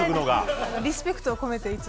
リスペクトを込めて、いつも。